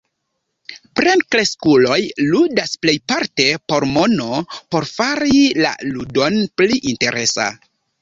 Plenkreskuloj ludas plejparte por mono por fari la ludon pli interesa.